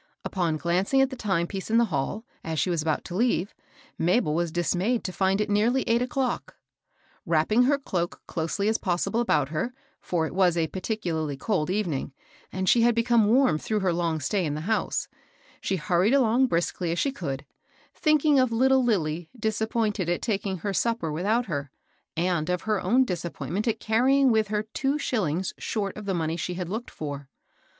Upon glancing at the time piece in the hall, as THE AID SOCIETY. 377 she was about to leave, Mabel was dismayed to find it nearly eight o'clock. Wrapping her cloak closely as possible about her, for it was a particularly cold evening, and she had become warm through her long stay in the house, she hurried along briskly as she could, thinking of little Lilly disappointed at taking her supper with out her, and of her own disappointment at carry ing with her two shillings short of the money she had looked for.